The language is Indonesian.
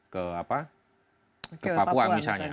ke papua misalnya